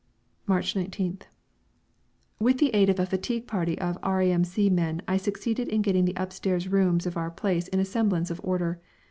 March 19th. With the aid of a fatigue party of R.A.M.C. men I succeeded in getting the upstairs rooms of our place into a semblance of order.